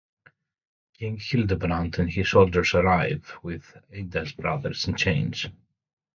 King Hildebrand and his soldiers arrive, with Ida's brothers in chains.